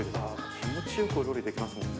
気持ちよく料理できますもんね。